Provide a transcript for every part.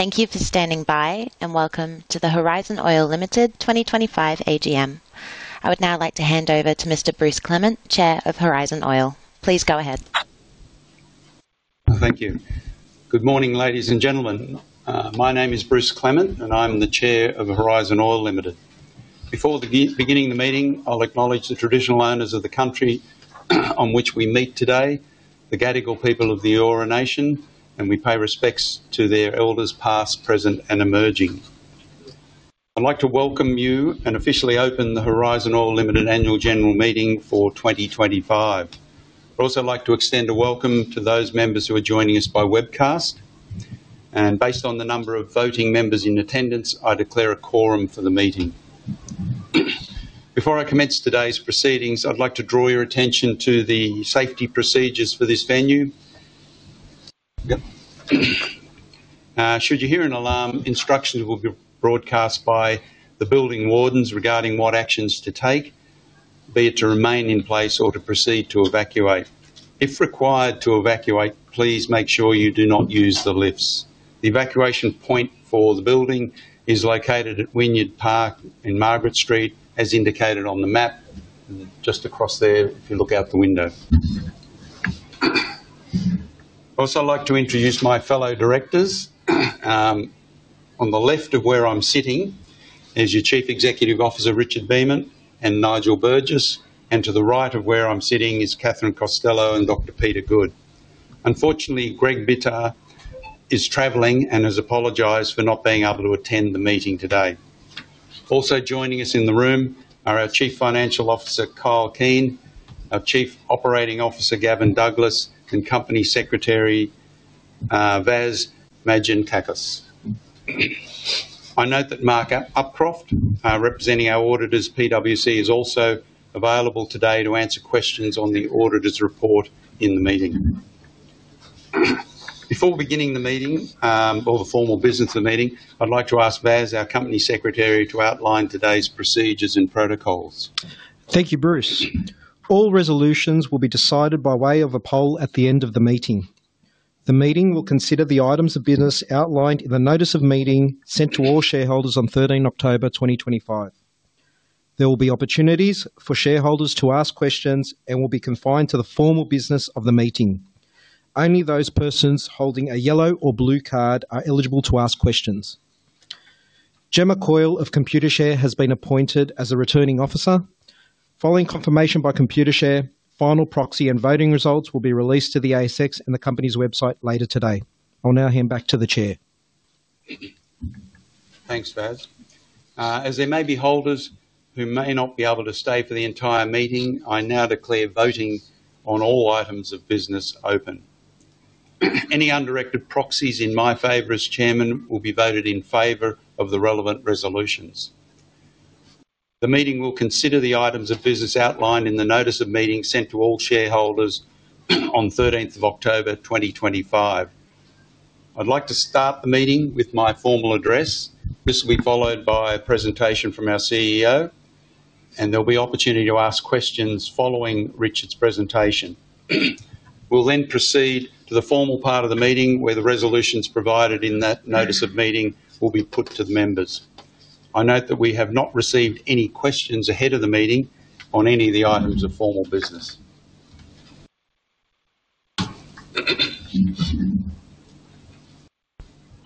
Thank you for standing by, and welcome to the Horizon Oil Limited 2025 AGM. I would now like to hand over to Mr. Bruce Clement, Chair of Horizon Oil. Please go ahead. Thank you. Good morning, ladies and gentlemen. My name is Bruce Clement, and I'm the Chair of Horizon Oil Limited. Before beginning the meeting, I'll acknowledge the traditional owners of the country on which we meet today, the Gadigal people of the Eora Nation, and we pay respects to their elders past, present, and emerging. I'd like to welcome you and officially open the Horizon Oil Limited Annual General Meeting for 2025. I'd also like to extend a welcome to those members who are joining us by webcast. Based on the number of voting members in attendance, I declare a quorum for the meeting. Before I commence today's proceedings, I'd like to draw your attention to the safety procedures for this venue. Should you hear an alarm, instructions will be broadcast by the building wardens regarding what actions to take, be it to remain in place or to proceed to evacuate. If required to evacuate, please make sure you do not use the lifts. The evacuation point for the building is located at Wynyard Park and Margaret Street, as indicated on the map, just across there if you look out the window. I'd also like to introduce my fellow directors. On the left of where I'm sitting is your Chief Executive Officer, Richard Beament, and Nigel Burgess. To the right of where I'm sitting is Catherine Costello and Dr. Peter Goode. Unfortunately, Greg Bitter is traveling and has apologized for not being able to attend the meeting today. Also joining us in the room are our Chief Financial Officer, Kyle Keen, our Chief Operating Officer, Gavin Douglas, and Company Secretary, Vaz Madjankakos. I note that Mark Upcroft, representing our auditors, PwC, is also available today to answer questions on the auditor's report in the meeting. Before beginning the meeting, or the formal business of the meeting, I'd like to ask Vaz, our Company Secretary, to outline today's procedures and protocols. Thank you, Bruce. All resolutions will be decided by way of a poll at the end of the meeting. The meeting will consider the items of business outlined in the Notice of Meeting sent to all shareholders on 13 October 2025. There will be opportunities for shareholders to ask questions and will be confined to the formal business of the meeting. Only those persons holding a yellow or blue card are eligible to ask questions. Gemma Coyle of ComputerShare has been appointed as a returning officer. Following confirmation by ComputerShare, final proxy and voting results will be released to the ASX and the company's website later today. I'll now hand back to the Chair. Thanks, Vaz. As there may be holders who may not be able to stay for the entire meeting, I now declare voting on all items of business open. Any undirected proxies in my favor as Chairman will be voted in favor of the relevant resolutions. The meeting will consider the items of business outlined in the Notice of Meeting sent to all shareholders on 13 October 2025. I'd like to start the meeting with my formal address. This will be followed by a presentation from our CEO, and there'll be opportunity to ask questions following Richard's presentation. We'll then proceed to the formal part of the meeting where the resolutions provided in that Notice of Meeting will be put to the members. I note that we have not received any questions ahead of the meeting on any of the items of formal business.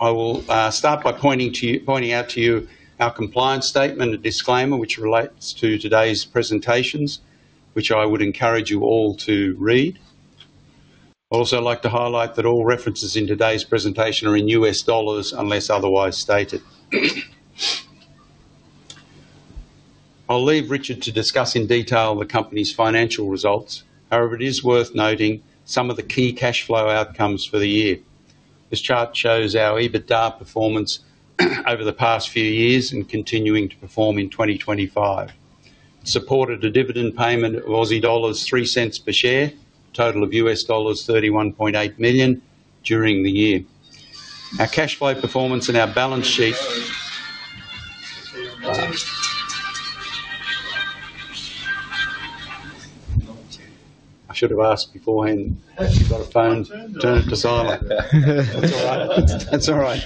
I will start by pointing out to you our compliance statement, a disclaimer which relates to today's presentations, which I would encourage you all to read. I'd also like to highlight that all references in today's presentation are in US dollars unless otherwise stated. I'll leave Richard to discuss in detail the company's financial results. However, it is worth noting some of the key cash flow outcomes for the year. This chart shows our EBITDA performance over the past few years and continuing to perform in 2025. It supported a dividend payment of 0.03 per share, total of $31.8 million during the year. Our cash flow performance and our balance sheet—I should have asked beforehand. I've got a phone. Turn it to silent. That's all right.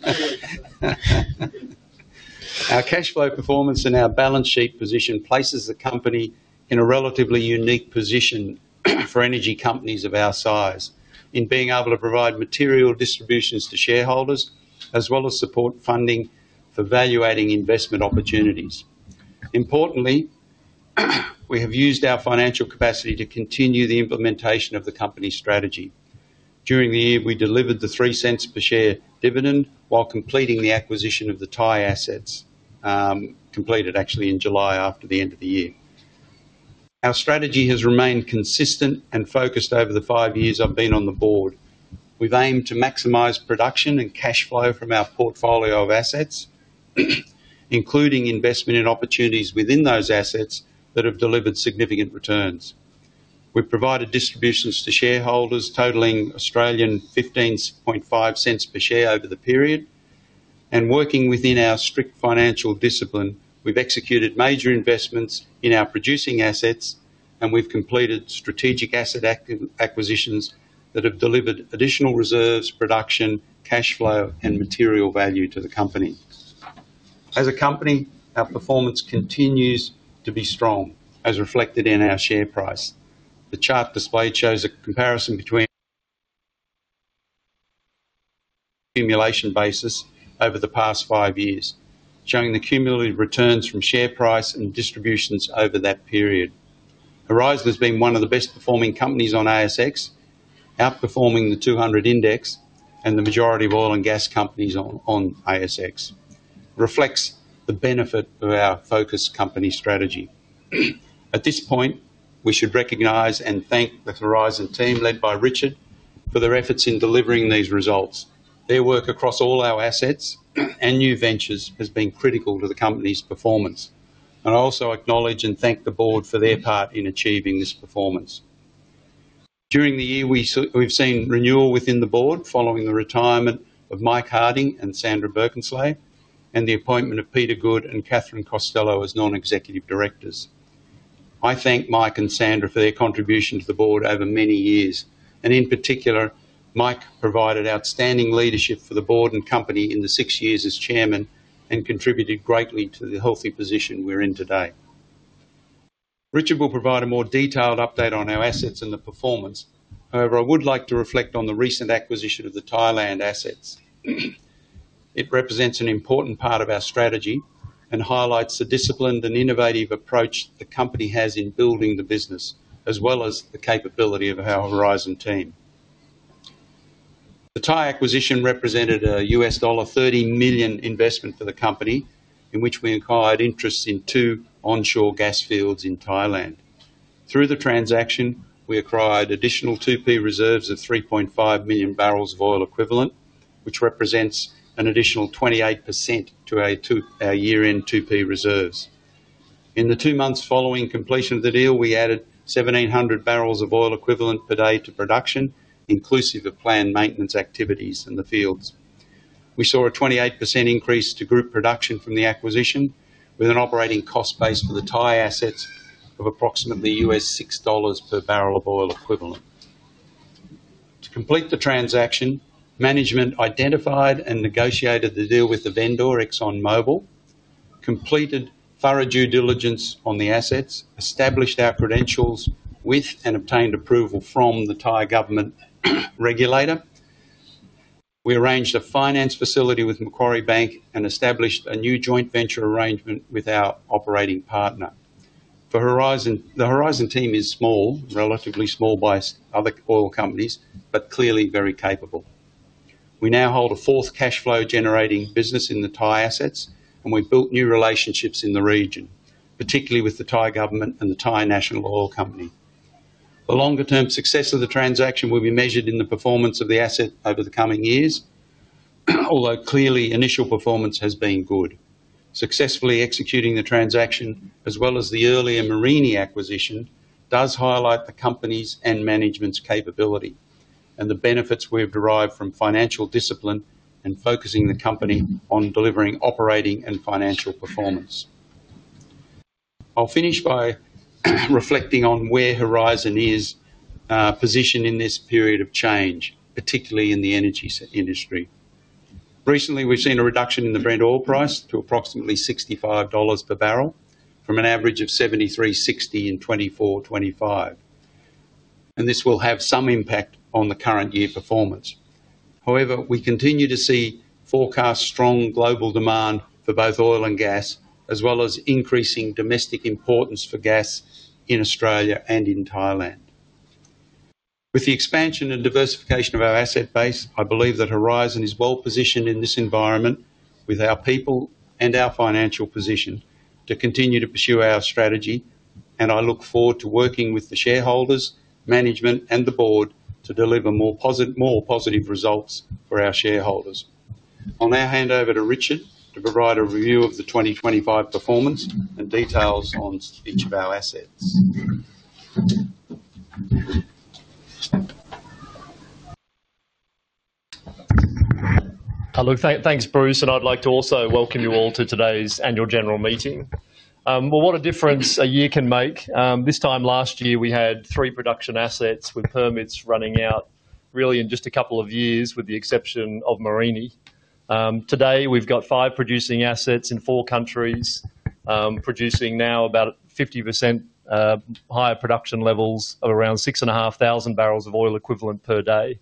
That's all right. Our cash flow performance and our balance sheet position places the company in a relatively unique position for energy companies of our size in being able to provide material distributions to shareholders as well as support funding for valuation of investment opportunities. Importantly, we have used our financial capacity to continue the implementation of the company's strategy. During the year, we delivered the 0.03 per share dividend while completing the acquisition of the Thai assets, completed actually in July 2025, after the end of the year. Our strategy has remained consistent and focused over the five years I've been on the board. We've aimed to maximize production and cash flow from our portfolio of assets, including investment in opportunities within those assets that have delivered significant returns. We've provided distributions to shareholders totaling 0.155 per share over the period. Working within our strict financial discipline, we've executed major investments in our producing assets, and we've completed strategic asset acquisitions that have delivered additional reserves, production, cash flow, and material value to the company. As a company, our performance continues to be strong, as reflected in our share price. The chart displayed shows a comparison between accumulation basis over the past five years, showing the cumulative returns from share price and distributions over that period. Horizon has been one of the best performing companies on ASX, outperforming the 200 index and the majority of oil and gas companies on ASX. It reflects the benefit of our focused company strategy. At this point, we should recognize and thank the Horizon team led by Richard for their efforts in delivering these results. Their work across all our assets and new ventures has been critical to the company's performance. I also acknowledge and thank the board for their part in achieving this performance. During the year, we've seen renewal within the board following the retirement of Mike Harding and Sandra Berkensley, and the appointment of Peter Goode and Catherine Costello as non-executive directors. I thank Mike and Sandra for their contribution to the board over many years. In particular, Mike provided outstanding leadership for the board and company in the six years as Chairman and contributed greatly to the healthy position we're in today. Richard will provide a more detailed update on our assets and the performance. However, I would like to reflect on the recent acquisition of the Thailand assets. It represents an important part of our strategy and highlights the disciplined and innovative approach the company has in building the business, as well as the capability of our Horizon team. The Thai acquisition represented a $30 million investment for the company in which we acquired interests in two onshore gas fields in Thailand. Through the transaction, we acquired additional 2P reserves of 3.5 million barrels of oil equivalent (mmboe), which represents an additional 28% to our year-end 2P reserves. In the two months following completion of the deal, we added 1,700 barrels of oil equivalent per day (boe/d) to production, inclusive of planned maintenance activities in the fields. We saw a 28% increase to group production from the acquisition, with an operating cost base for the Thai assets of approximately $6 per barrel of oil equivalent. To complete the transaction, management identified and negotiated the deal with the vendor, ExxonMobil, completed thorough due diligence on the assets, established our credentials with and obtained approval from the Thai government regulator. We arranged a finance facility with Macquarie Bank and established a new joint venture arrangement with our operating partner. The Horizon team is small, relatively small by other oil companies, but clearly very capable. We now hold a fourth cash flow-generating business in the Thai assets, and we've built new relationships in the region, particularly with the Thai government and the Thai National Oil Company. The longer-term success of the transaction will be measured in the performance of the asset over the coming years, although clearly initial performance has been good. Successfully executing the transaction, as well as the earlier Mereenie acquisition, does highlight the company's and management's capability and the benefits we've derived from financial discipline and focusing the company on delivering operating and financial performance. I'll finish by reflecting on where Horizon is positioned in this period of change, particularly in the energy industry. Recently, we've seen a reduction in the Brent oil price to approximately $65 per barrel from an average of $73.60 in 2024-2025, and this will have some impact on the current-year performance. However, we continue to see forecast strong global demand for both oil and gas, as well as increasing domestic importance for gas in Australia and in Thailand. With the expansion and diversification of our asset base, I believe that Horizon is well positioned in this environment with our people and our financial position to continue to pursue our strategy, and I look forward to working with the shareholders, management, and the board to deliver more positive results for our shareholders. I'll now hand over to Richard Beament, CEO, to provide a review of the 2025 performance and details on each of our assets. Hello. Thanks, Bruce. I would like to also welcome you all to today's Annual General Meeting. What a difference a year can make. This time last year, we had three production assets with permits running out really in just a couple of years with the exception of Mereenie. Today, we have five producing assets in four countries producing now about 50% higher production levels of around 6,500 barrels of oil equivalent per day.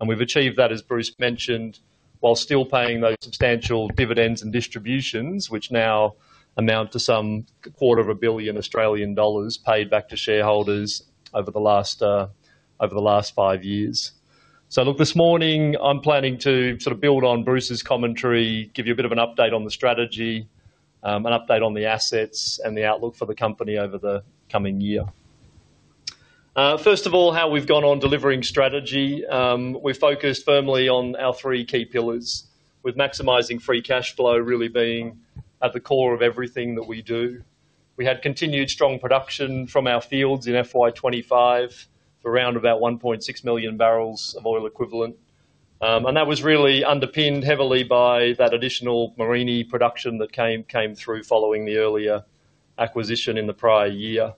We have achieved that, as Bruce mentioned, while still paying those substantial dividends and distributions, which now amount to approximately of a billion AUD paid back to shareholders over the last five years. This morning, I am planning to sort of build on Bruce's commentary, give you a bit of an update on the strategy, assets, and the outlook for the company over the coming year. First of all, how we've gone on delivering strategy, we've focused firmly on our three key pillars, with maximizing free cash flow really being at the core of everything that we do. We had continued strong production from our fields in FY2025, around about 1.6 million barrels of oil equivalent. That was really underpinned heavily by that additional Mereenie production that came through following the earlier acquisition in the prior year.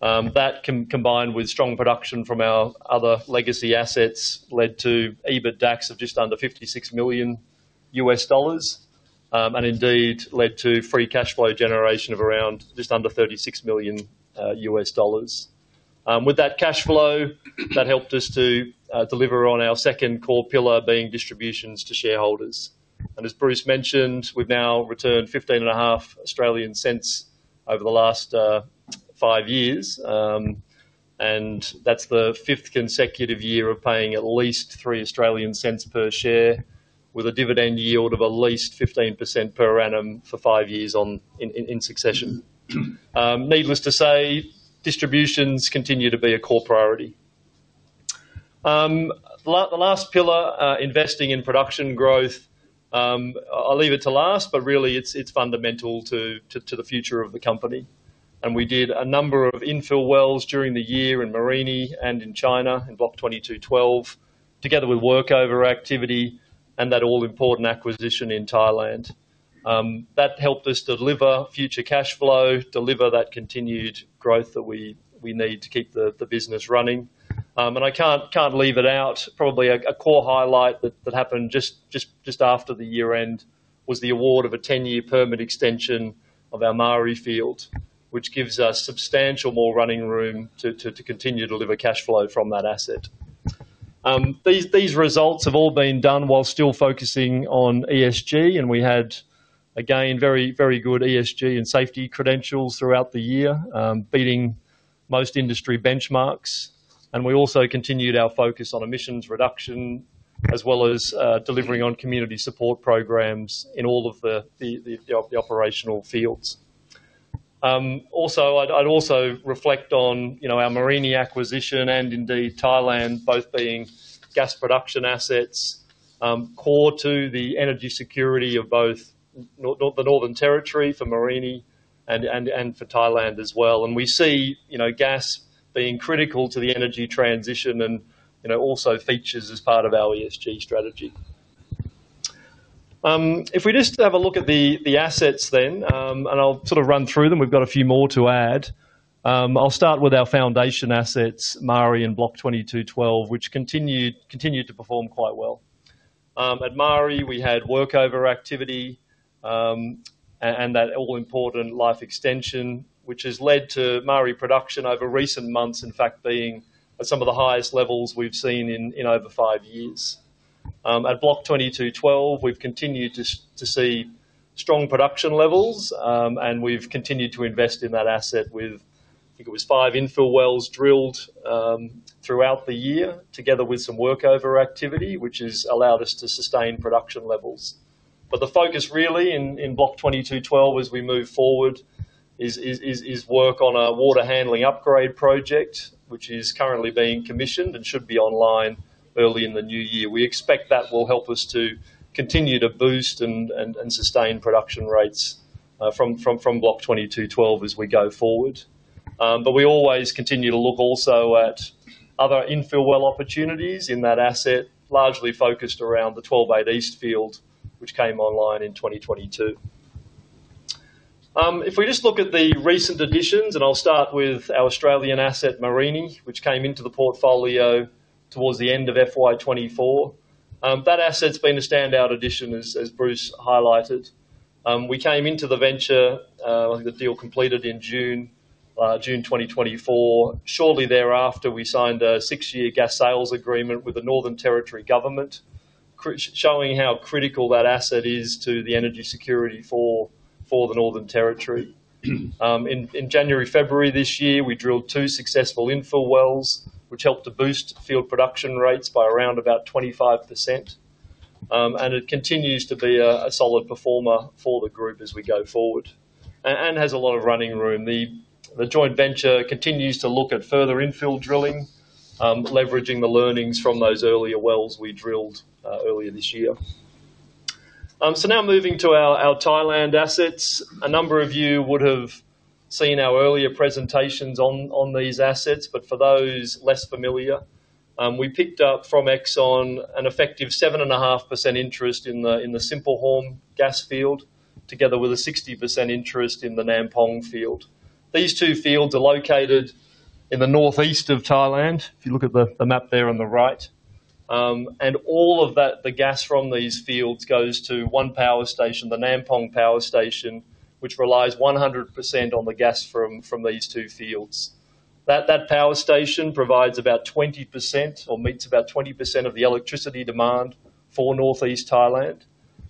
That, combined with strong production from our other legacy assets, led to EBITDA of just under $56 million and indeed generated free cash flow of just under $36 million. With that cash flow, that helped us to deliver on our second core pillar: distributions to shareholders. As Bruce mentioned, we've now returned 0.155 per share over the last five years, and that's the fifth consecutive year of paying at least 0.03 per share with a dividend yield of at least 15% per annum for five years in succession. Distributions continue to be a core priority. The last pillar, investing in production growth, I'll leave it to last, but really, it's fundamental to the future of the company. We did a number of infill wells during the year in Mereenie and in China in Block 22/12, together with workover activity and the Thailand acquisition. That helped us to deliver future cash flow, deliver that continued growth that we need to keep the business running. I can't leave it out. A core highlight that happened just after the year-end was the award of a 10-year permit extension of our Maari fields, which gives us substantial more running room to continue to deliver cash flow from that asset. These results have all been done while still focusing on ESG, with strong ESG and safety credentials throughout the year, beating most industry benchmarks. We also continued our focus on emissions reduction as well as delivering on community support programs in all of the operational fields. I'd also reflect on our Mereenie acquisition and indeed Thailand both being gas production assets, core to the energy security of both the Northern Territory for Mereenie and for Thailand as well. We see gas being critical to the energy transition and also features as part of our ESG strategy. If we just have a look at the assets then, and I'll sort of run through them. We've got a few more to add. I'll start with our foundation assets, Maari and Block 22/12, which continued to perform quite well. At Maari, we had workover activity and that all-important life extension, which has led to Maari production over recent months, in fact, being at some of the highest levels we've seen in over five years. At Block 22/12, we've continued to see strong production levels, and we've continued to invest in that asset with, I think it was five infill wells drilled throughout the year, together with some workover activity, which has allowed us to sustain production levels. The focus really in Block 22/12 as we move forward is work on a water handling upgrade project, which is currently being commissioned and should be online early in the new year. We expect that will help us to continue to boost and sustain production rates from Block 22/12 as we go forward. We always continue to look also at other infill well opportunities in that asset, largely focused around the 12-8 East field, which came online in 2022. If we just look at the recent additions, and I'll start with our Australian asset, Mereenie, which came into the portfolio towards the end of FY2024. That asset's been a standout addition, as Bruce highlighted. We came into the venture, the deal completed in June 2024. Shortly thereafter, we signed a six-year gas sales agreement with the Northern Territory government, showing how critical that asset is to the energy security for the Northern Territory. In January-February 2025, we drilled two successful infill wells, which helped to boost field production rates by approximately 25%. It continues to be a solid performer for the group as we go forward and has a lot of running room. The joint venture continues to look at further infill drilling, leveraging the learnings from those earlier wells we drilled earlier this year. Moving to our Thailand assets. A number of you would have seen our earlier presentations on these assets, but for those less familiar, we picked up from ExxonMobil an effective 7.5% interest in the Sinphuhorm Gas Field, together with a 60% interest in the Nam Pong Field. These fields are located in northeast of Thailand, if you look at the map there on the right. All of the gas from these fields supplies the Nam Pong power station, which relies 100% on the gas from these two fields. That power station provides approximately 20% of the electricity demand for northeast Thailand.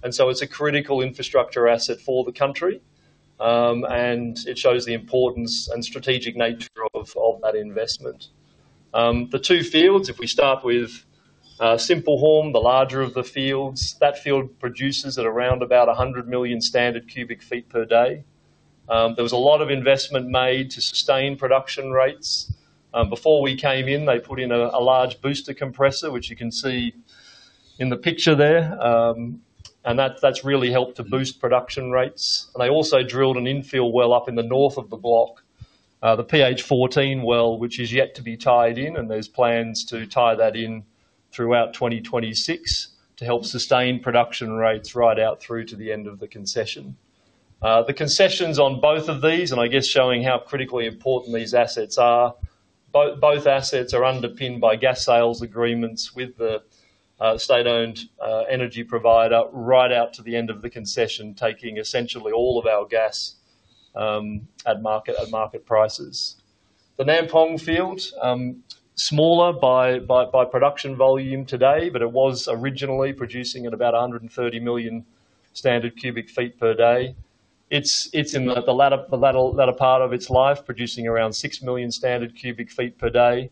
It is a critical infrastructure asset for the country, and it shows the importance and strategic nature of that investment. The two fields, if we start with Sinphuhorm, the larger of the fields, that field produces at around about 100 million standard cubic feet per day (MMscf/d). There was a lot of investment made to sustain production rates. Before we came in, they put in a large booster compressor, which you can see in the picture there, and that has really helped to boost production rates. They also drilled an infill well up in the north of the block, the infill well (PH14), which is yet to be tied in, and there are plans to tie that in throughout 2026 to help sustain production rates right out through to the end of the concession. The concessions on both of these, and I guess showing how critically important these assets are, both assets are underpinned by gas sales agreements with the state-owned energy provider right out to the end of the concession, taking essentially all of our gas at market prices. The Nam Pong field, smaller by production volume today, but it was originally producing at about 130 MMscf/d. It's in the latter part of its life, producing around 6 MMscf/d.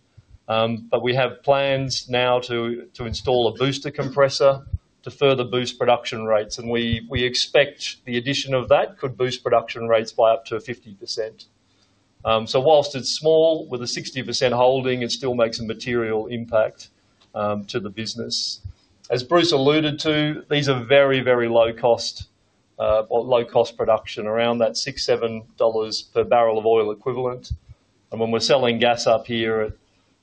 We have plans now to install a booster compressor to further boost production rates, and we expect the addition of that could boost production rates by up to 50%. Whilst it's small, with a 60% holding, it still makes a material impact to the business. As Bruce alluded to, these are very, very low-cost production, around that $6-$7 per barrel of oil equivalent. When we're selling gas up here at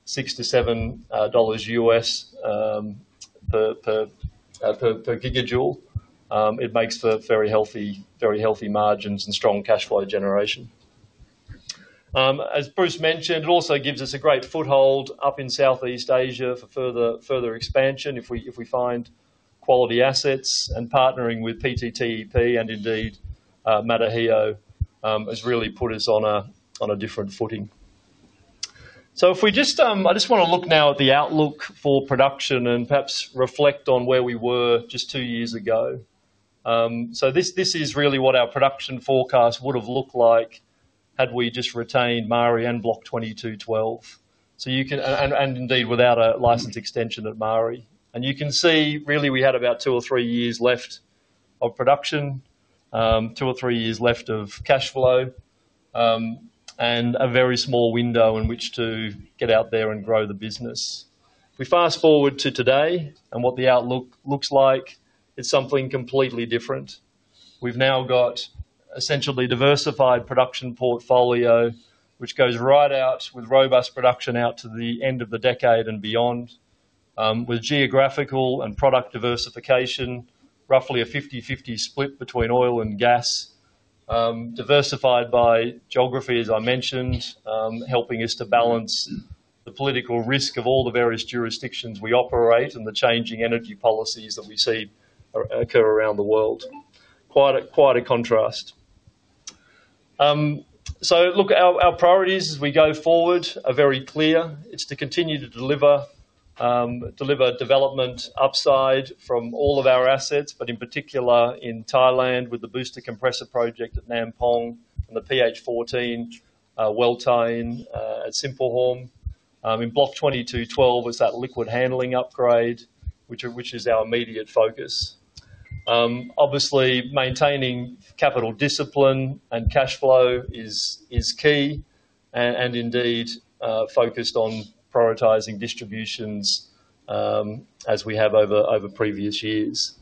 $6-$7 US/GJ, it makes for very healthy margins and strong cash flow generation. As Bruce mentioned, it also gives us a great foothold up in Southeast Asia for further expansion if we find quality assets, and partnering with PTTEP and indeed Matahio has really put us on a different footing. I just want to look now at the outlook for production and perhaps reflect on where we were just two years ago. This is really what our production forecast would have looked like had we just retained Maari and Block 22/12, and indeed without a license extension at Maari. You can see, really, we had about two or three years left of production, two or three years left of cash flow, and a very small window in which to get out there and grow the business. If we fast forward to today and what the outlook looks like, it's something completely different. We've now developed an essentially diversified production portfolio, which extends robust production through the end of the decade and beyond, with geographical and product diversification, roughly a 50/50 split between oil and gas, diversified by geography, as I mentioned, helping us to balance the political risk of all the various jurisdictions we operate and the changing energy policies that we see occur around the world. Quite a contrast. Our priorities as we go forward are very clear. It's to continue to deliver development upside from all of our assets, but in particular in Thailand with the booster compressor project at Nam Pong and the PH14 well tie-in at Sinphuhorm. In Block 22/12 was that liquid handling upgrade, which is our immediate focus. Maintaining capital discipline and cash flow is key and indeed focused on prioritizing distributions as we have over previous years.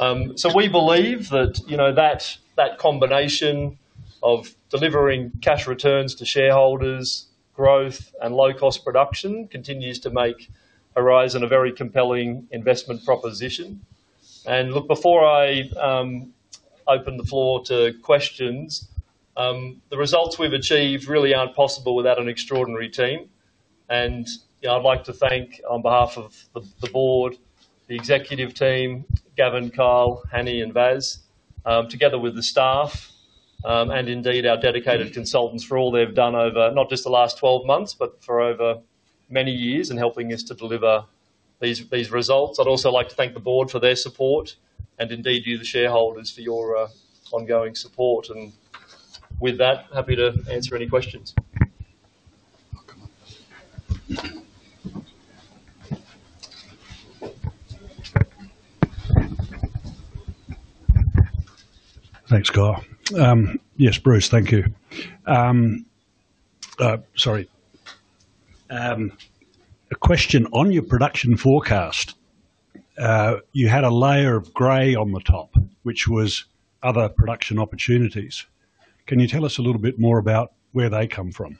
We believe that that combination of delivering cash returns to shareholders, growth, and low-cost production continues to make Horizon a very compelling investment proposition. Before I open the floor to questions, the results we've achieved really aren't possible without an extraordinary team. I'd like to thank, on behalf of the board, the executive team—Gavin, Carl, Hanne, and Vaz—together with the staff, and indeed our dedicated consultants for all they've done over not just the last 12 months, but for many years in helping us to deliver these results. I would also like to thank the board for their support and shareholders for their ongoing trust and engagement. With that, I am happy to answer any questions. Thanks, Carl. Yes, Bruce, thank you. Sorry. A question on your production forecast. You had a layer of grey on the top, labeled other production opportunities. Can you tell us a little bit more about where they come from?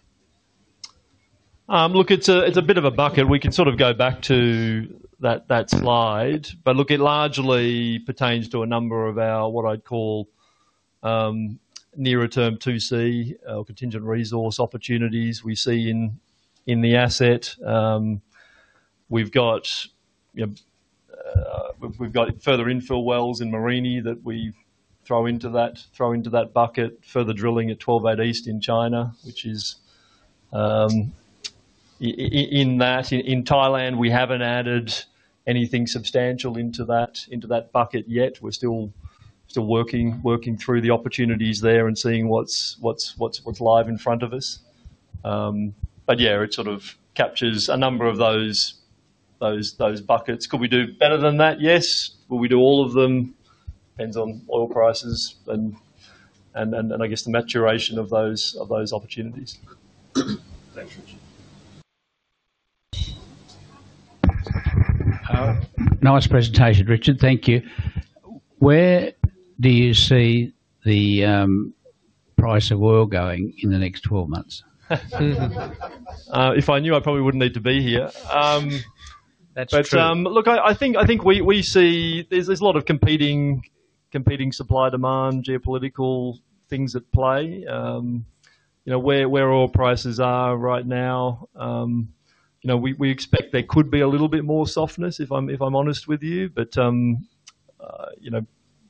Look, it's a bit of a bucket. We can sort of go back to that slide. Look, it largely pertains to a number of our, what I'd call, nearer-term 2C or contingent resource opportunities we see in the asset. We've got further infill wells in Mereenie that we throw into that bucket, further drilling at 12-8 East in China, which is in that. In Thailand, we haven't added anything substantial into that bucket yet. We're still working through the opportunities there and seeing what's live in front of us. Yeah, it sort of captures a number of those buckets. Could we do better than that? Yes. Will we do all of them? Depends on oil prices and the maturation of those opportunities. Thanks, Richard. Nice presentation, Richard. Thank you. Where do you see the oil price going in the next 12 months? If I knew, I probably wouldn't need to be here. We see there's a lot of competing supply-demand and geopolitical things at play. At current levels,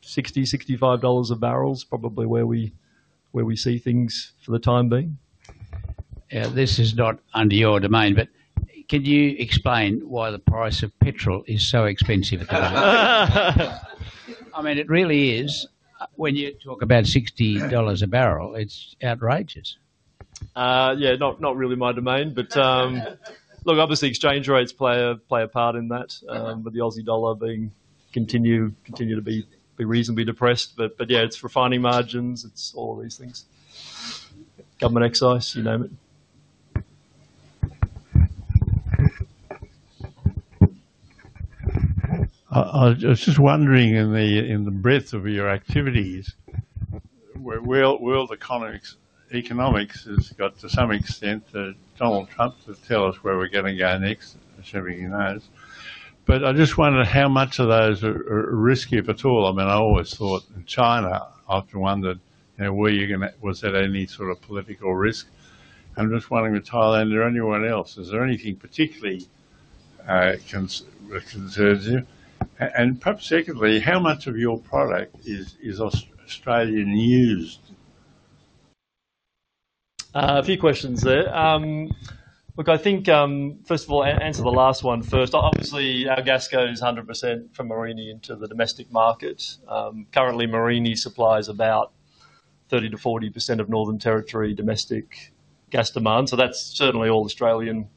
$60-$65 per barrel is probably where we expect prices to remain in the near term. Yeah, this is not under your domain, but can you explain why the price of petrol is so expensive at the moment? I mean, it really is. When you talk about $60 per barrel, it seems outrageous. Not really my domain. Factors includes exchange rates, with the Aussie dollar remaining relatively week, refining margins, government excise and taxes. I was just wondering, in the breadth of your activities, given global economic uncertainty, to some extent, it’s like asking Donald Trump where we’re going next, which everybody knows is hard to predict. I just wondered, how much of your portfolio carries political or operational risk? Specifically in China, Thailand, or anywhere else—are there any particularly conservative or high-risk exposures? Secondly, how much of your product is used domestically in Australia? A few questions there. I'll, answer the last one first. Our gas goes 100% from Mereenie into the domestic market. Currently, Mereenie supplies about 30-40% of Northern Territory domestic gas demand. That's certainly all Australian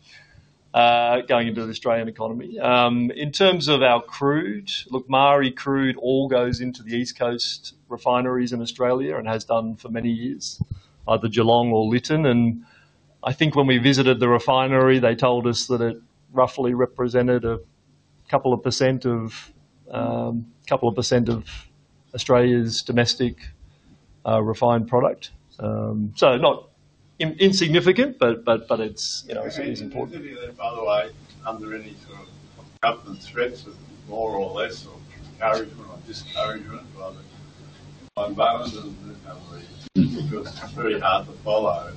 going into the Australian economy. In terms of crude, Maari crude all goes into the East Coast refineries in Australia and has done for many years, either Geelong or Lytton. I think when we visited the refinery, they told us that it roughly a couple of percent of Australia's domestic refined product. Not insignificant, but it's important. By the way, under any sort of government threats, more or less, or encouragement or discouragement, rather than buying bones, it's very hard to follow.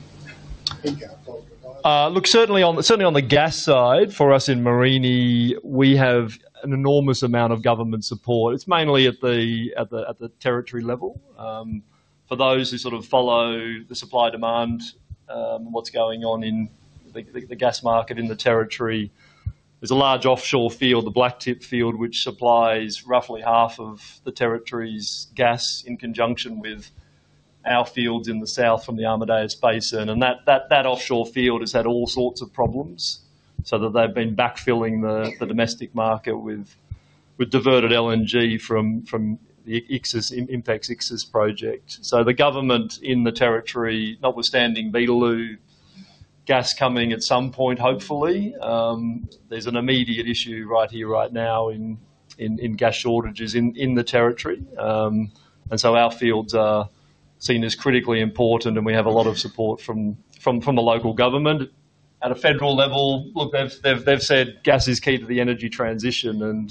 Certainly on the gas side, for us in Mereenie, we have an enormous amount of government support. It's mainly at the territory level. For those who sort of follow the supply-demand, what's going on in the gas market in the territory, there's a large offshore field, the Blacktip Field, which supplies roughly half of the territory's gas in conjunction with our fields in the south from the Amadeus Basin. That offshore field has had all sorts of problems so that they've been backfilling the domestic market with diverted LNG from the Ichthys project. The government in the territory, notwithstanding Barossa gas coming at some point, hopefully, there's an immediate issue right here, right now, in gas shortages in the territory. Our fields are seen as critically important, and we have a lot of support from the local government. At a federal level, look, they've said gas is key to the energy transition.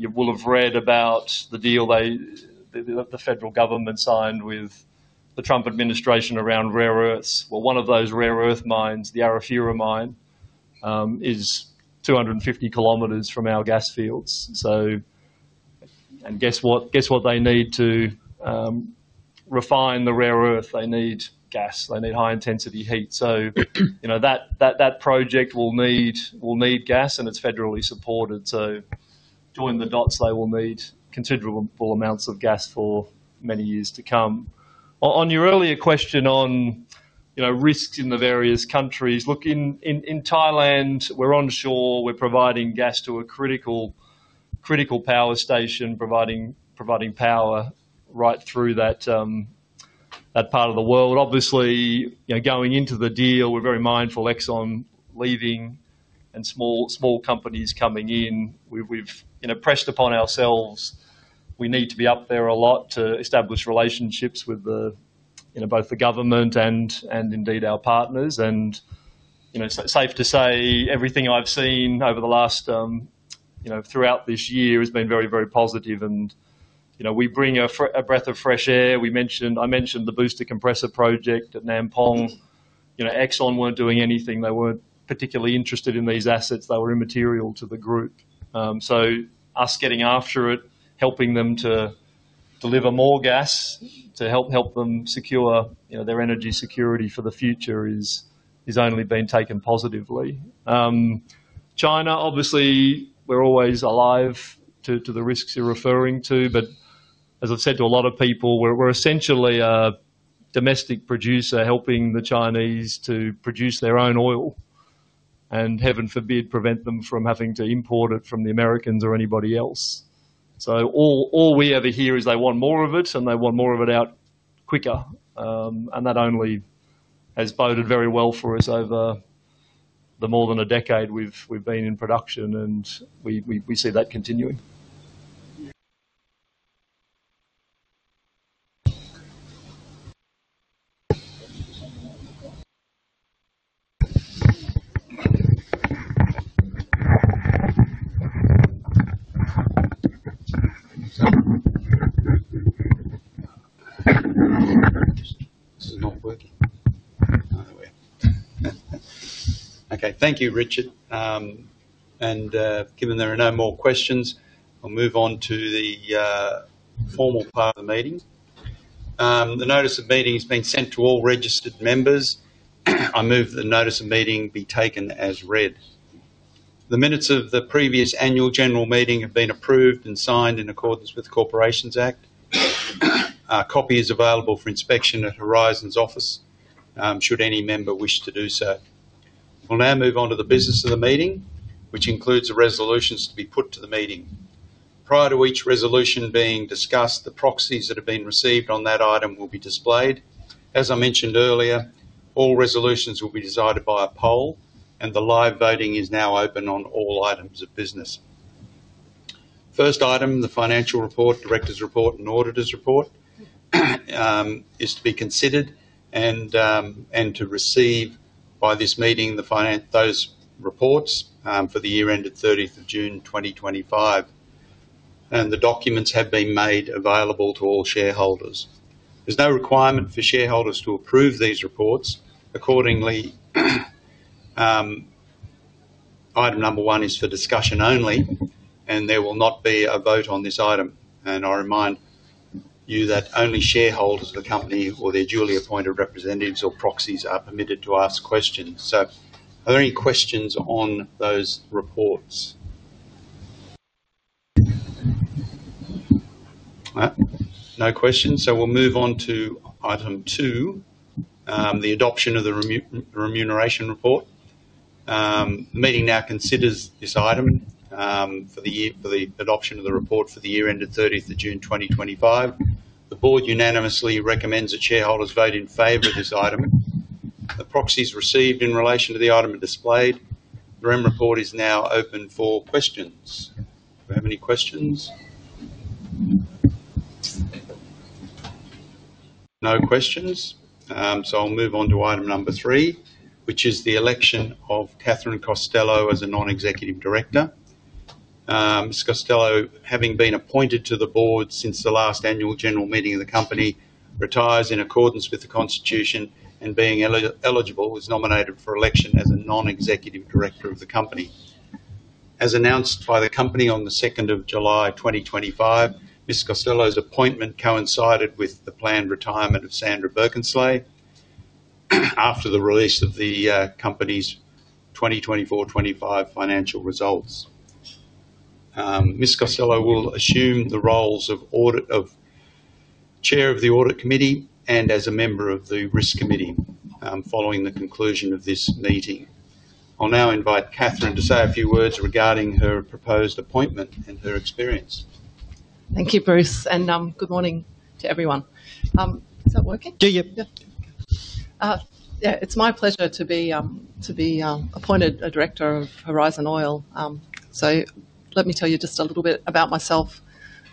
You will have read about the deal the federal government signed with the Trump administration around rare earths. One of those rare earth mines, the Arafura mine—is 250 km from our gas fields. They need to refine the rare earth. They need gas. They need high-intensity heat. That project will need gas, and it is federally supported. Join the dots, they will need considerable amounts of gas for many years to come. On your earlier question on risks in the various countries: in Thailand, we are onshore. We are providing gas to a critical power station, providing power right through that part of the world. Obviously, going into the deal, we are very mindful of ExxonMobil leaving and small companies coming in. We have pressed upon ourselves. We need to be present frequently on-site to establish relationships with both the government and our partners. Safe to say, everything I've seen throughout this year has been very, very positive. We bring a breath of fresh air. I mentioned the booster compressor project at Nam Pong. ExxonMobil weren't doing anything. They weren't particularly interested in these assets—they were immaterial to the group. Us getting after it, helping them to deliver more gas to help them secure their energy security for the future has only been taken positively. China, we're always alive to the risks you're referring to. As I've said to a lot of people, we're essentially a domestic producer helping the Chinese to produce their own oil and, heaven forbid, prevent them from having to import it from the Americans or anybody else. All we ever hear is they want more of it, and they want more of it out quicker. That only has boded very well for us over the more than a decade we've been in production, and we see that continuing. This is not working. Okay. Thank you, Richard. Given there are no more questions, I'll move on to the formal part of the meeting. The Notice of Meeting has been sent to all registered members. I move that the notice of meeting be taken as read. The minutes of the previous Annual General Meeting have been approved and signed in accordance with the Corporations Act. A copy is available for inspection at Horizon's office should any member wish to do so. We'll now move on to the business of the meeting, which includes the resolutions to be put to the meeting. Prior to each resolution being discussed, the proxies that have been received on that item will be displayed. As I mentioned earlier, all resolutions will be decided by a poll, and the live voting is now open on all items of business. First item, the financial report, director's report, and auditor's report is to be considered and to receive by this meeting those reports for the year ended 30th of June 2025. And the documents have been made available to all shareholders. There is no requirement for shareholders to approve these reports. Accordingly, item 1 is for discussion only, and there will not be a vote on this item. I remind you that only shareholders of the company or their duly appointed representatives or proxies are permitted to ask questions. Are there any questions on those reports? No questions. We'll move on to item two, the adoption of the remuneration report. The meeting now considers this item for the adoption of the report for the year ended 30 June 2025. The board unanimously recommends that shareholders vote in favor of this item. The proxies received in relation to the item are displayed. The report is now open for questions. Do we have any questions? No questions. I'll move on to item number three, which is the election of Catherine Costello as a Non-Executive Director. Ms. Costello, having been appointed to the board since the last annual general meeting of the company, retires in accordance with the constitution and, being eligible, is nominated for election as a Non-Executive Director of the company. As announced by the company on the 2 July 2025, Ms. Costello's appointment coincided with the planned retirement of Sandra Berkensley after the release of the company's 2024-2025 financial results. Ms. Costello will assume the roles of Chair of the Audit Committee and as a member of the Risk Committee following the conclusion of this meeting. I'll now invite Catherine to say a few words regarding her proposed appointment and her experience. Thank you, Bruce. Good morning, everyone. Can you hear me? It is my pleasure to be appointed Non-Execuctive Director of Horizon Oil. Let me tell you just a little bit about myself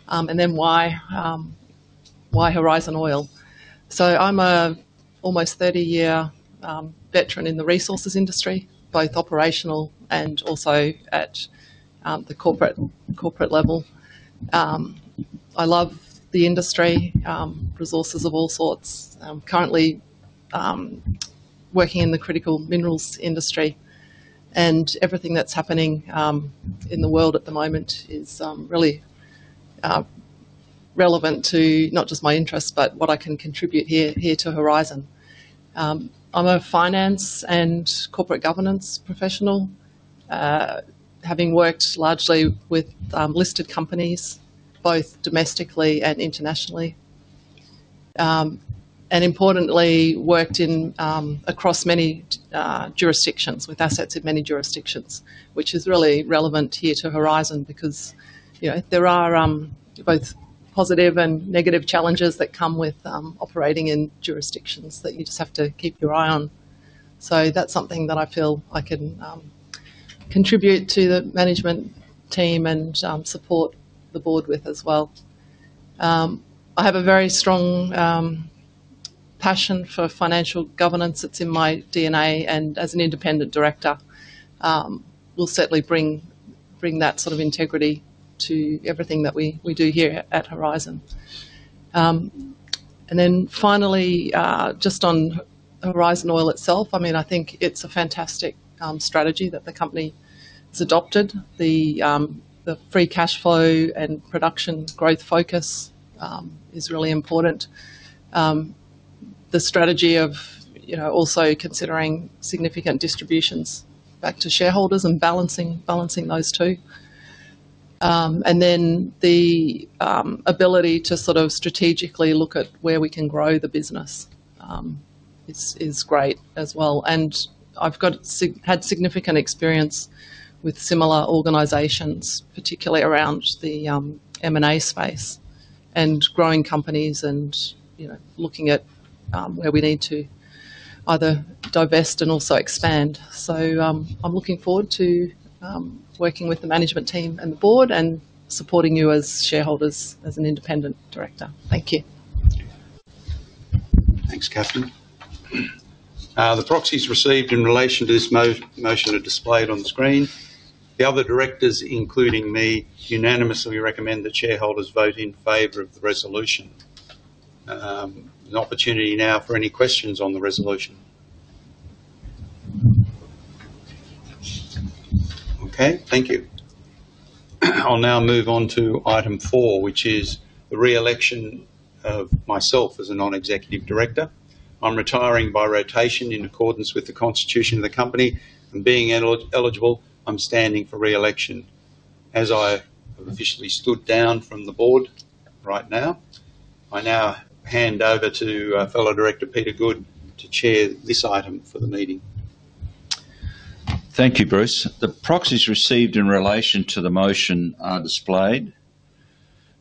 and then why Horizon Oil. I'm an almost 30-year veteran in the resources industry, both operational and also at the corporate level. I love the industry, resources of all sorts. I'm currently working in the critical minerals industry. Everything that's happening in the world at the moment is really relevant to not just my interests, but what I can contribute here to Horizon. I'm a finance and corporate governance professional, having worked largely with listed companies, both domestically and internationally. Importantly, I've worked across many jurisdictions with assets in many jurisdictions, which is really relevant here to Horizon because there are both positive and negative challenges that come with operating in jurisdictions that you just have to keep your eye on. That's something that I feel I can contribute to the management team and support the board with as well. I have a very strong passion for financial governance. It's in my DNA. As an independent director, I'll certainly bring that sort of integrity to everything that we do here at Horizon. Finally, regarding Horizon Oil itself, I consider the company's strategy excellent. The free cash flow and production growth focus is really important. The strategy of also considering significant distributions back to shareholders and balancing those two. The ability to sort of strategically look at where we can grow the business is great as well. I've had significant experience with similar organizations, particularly around the M&A space and growing companies and looking at where we need to either divest and also expand. I'm looking forward to working with the management team and the board and supporting you as shareholders as an independent director. Thank you. Thanks, Catherine. The proxies received in relation to this motion are displayed on the screen. The other directors, including me, unanimously recommend that shareholders vote in favour of the resolution. An opportunity now for any questions on the resolution. Thank you. I'll now move on to item 4, which is the re-election of myself as a non-executive director. I'm retiring by rotation in accordance with the constitution of the company. And being eligible, I'm standing for re-election. As I have officially stood down from the board right now, I now hand over to fellow director Peter Goode to chair this item for the meeting. Thank you, Bruce. The proxies received in relation to the motion are displayed.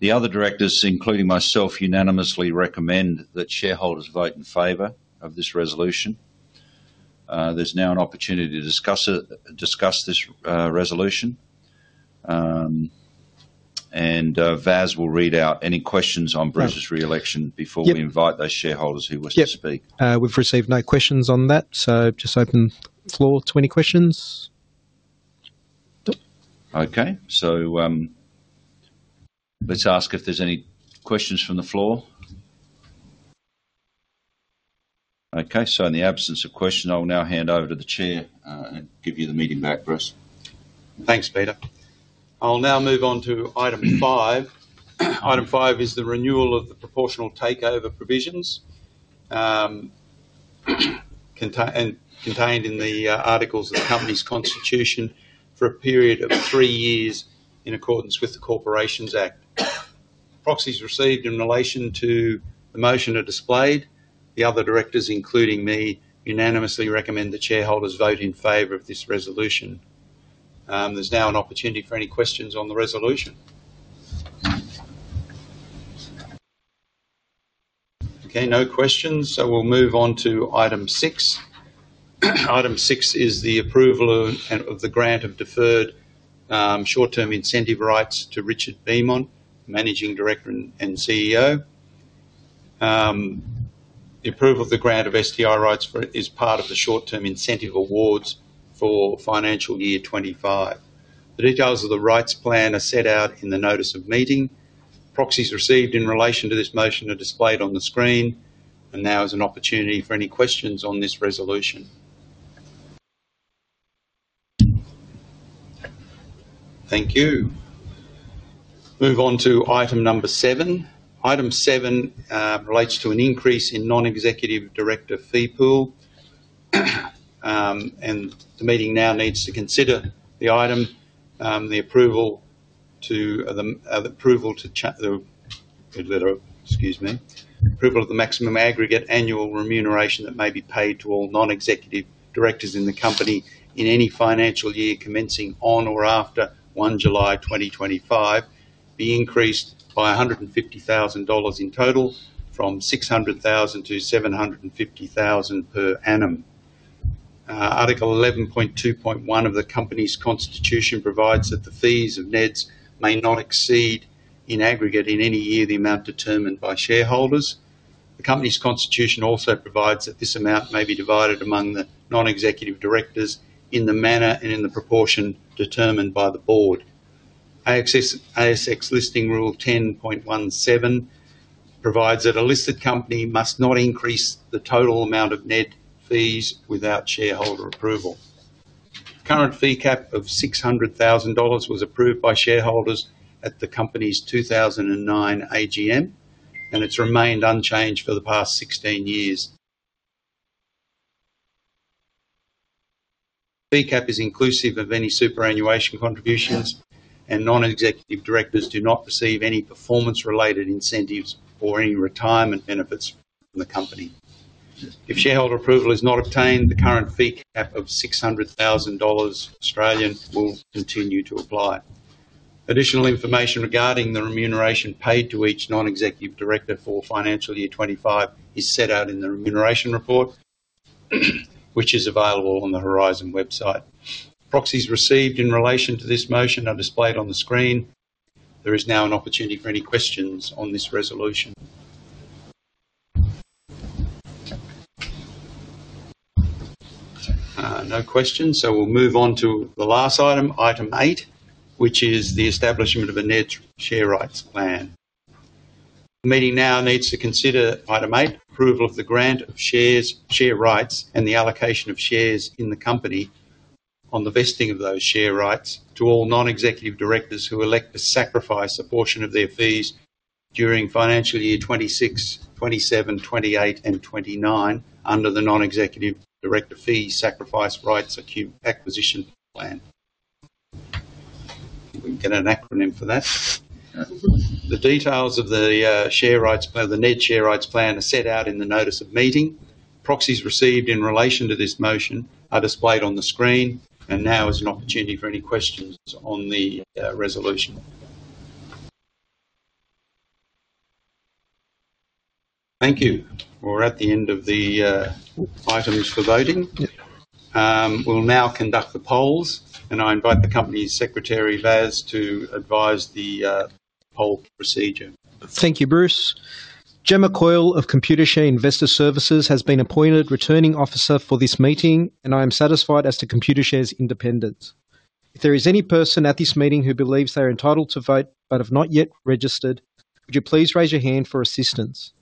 The other directors, including myself, unanimously recommend that shareholders vote in favor of this resolution. There's now an opportunity to discuss this resolution. Vaz will read out any questions on Bruce's re-election before we invite those shareholders who wish to speak. We've received no questions on that. Just open floor to any questions. Let's ask if there's any questions from the floor. Okay. In the absence of questions, I'll now hand over to the Chair and give you the meeting back, Bruce. Thanks, Peter. I'll now move on to item five. Item 5 is the renewal of the proportional takeover provisions contained in the articles of the company's constitution for a period of three years in accordance with the Corporations Act. Proxies received in relation to the motion are displayed. The other directors, including me, unanimously recommend that shareholders vote in favor of this resolution. There's now an opportunity for any questions on the resolution. Okay. No questions. We'll move on to item 6. Item 6 is the approval of the grant of deferred short-term incentive (STI) rights to Richard Beament, Managing Director and CEO. The approval of the grant of STI rights is part of the short-term incentive awards for financial year 2025. The details of the rights plan are set out in the Notice of Meeting. Proxies received in relation to this motion are displayed on the screen. Now is an opportunity for any questions on this resolution. Move on to item 7, which relates to an increase in non-executive director (NED) fee pool. The meeting now needs to consider the item, the approval to the maximum aggregate annual remuneration that may be paid to all non-executive directors in the company in any financial year commencing on or after 1 July 2025, be increased by 150,000 dollars in total from 600,000 to 750,000 per annum. Article 11.2.1 of the company's constitution provides that the fees of NEDs may not exceed in aggregate in any year the amount determined by shareholders. The company's constitution also provides that this amount may be divided among the non-executive directors in the manner and in the proportion determined by the board. ASX Listing Rule 10.17 provides that a listed company must not increase the total amount of NED fees without shareholder approval. Current fee cap of 600,000 dollars was approved by shareholders at the company's 2009 AGM, and it's remained unchanged for the past 16 years. Fee cap is inclusive of any superannuation contributions, and non-executive directors do not receive any performance-related incentives or any retirement benefits from the company. If shareholder approval is not obtained, the current fee cap of 600,000 Australian dollars will continue to apply. Additional information regarding the remuneration paid to each NED for FY2025 are provided in the remuneration report, available on the Horizon OIl website. Proxies received in relation to this motion are displayed on the screen. There is now an opportunity for any questions on this resolution. No questions were recieved. Finally move to item 8, which is the establishment of a NEDS share rights plan. The meeting now needs to consider item eight, approval of the grant of shares, share rights, and the allocation of shares in the company on the vesting of those share rights to all non-executive directors who elect to sacrifice a portion of their fees during financial years 2026, 2027, 2028, and 2029 under the Non-Executive Director Fee Sacrifice Rights Acquisition Plan. The details of the NEDS share rights plan are set out in the Notice of Meeting. Proxies received in relation to this motion are displayed on the screen. Now is an opportunity for any questions on the resolution. Thank you. We are at the end of the items for voting. We will now conduct the polls. I invite the Company Secretary, Vaz, to advise the poll procedure. Thank you, Bruce. Jim McCoyle of ComputerShare Investor Services has been appointed Returning Officer for this meeting, and I am satisfied as to ComputerShare's independence. If there is any person at this meeting who believes they are entitled to vote but have not yet registered, would you please raise your hand for assistance?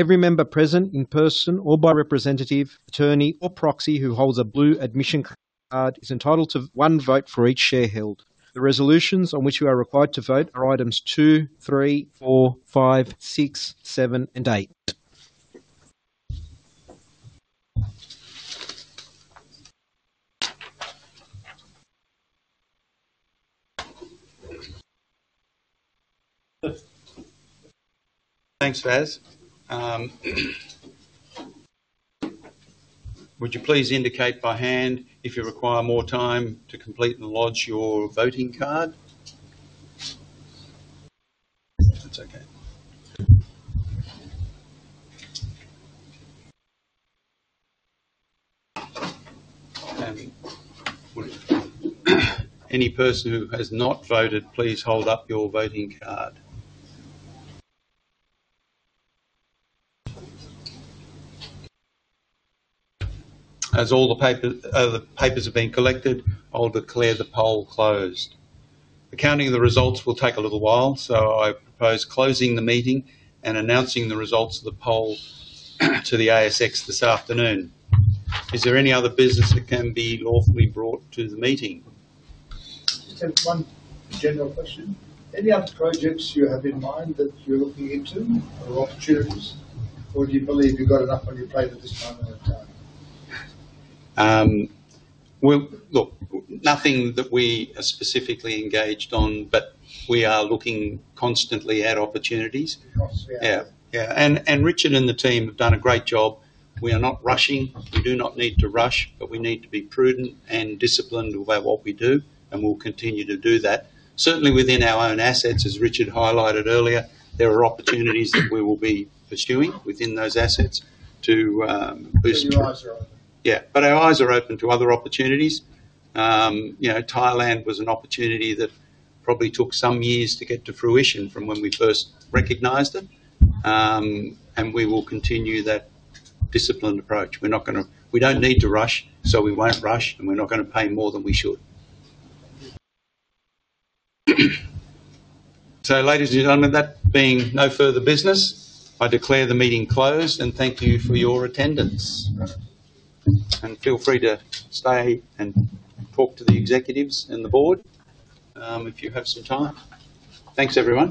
Every member present in person or by representative, attorney, or proxy who holds a blue admission card is entitled to one vote for each share held. The resolutions on which you are required to vote are items 2, 3, 4, 5, 6, 7, and 8. Thanks, Vaz. Would you please indicate by hand if you require more time to complete and lodge your voting card? That's okay. Any person who has not voted, please hold up your voting card. As all the papers have been collected, I'll declare the poll closed. Accounting of the results will take a little while, so I propose closing the meeting and announcing the results of the poll to the ASX this afternoon. Is there any other business that can be lawfully brought to the meeting? A general question. Any other projects you have in mind that you're looking into or opportunities, or do you believe you've got enough on your plate at this moment in time? Look, nothing that we are specifically engaged on, but we are looking constantly at opportunities. Yeah. Richard and the team have done a great job. We are not rushing. We do not need to rush, but we need to be prudent and disciplined about what we do, and we will continue to do that. Certainly, within our own assets, as Richard highlighted earlier, there are opportunities that we will be pursuing within those assets to boost. Your eyes are open. Yeah. Our eyes are open to other opportunities. Thailand was an opportunity that probably took some years to get to fruition from when we first recognized it. We will continue that disciplined approach. We do not need to rush, so we will not rush, and we are not going to pay more than we should. Ladies and gentlemen, there being no further business, I declare the meeting closed. Thank you for your attendance. Please feel free to speak and with the executives and the board if you have some time. Thanks, everyone.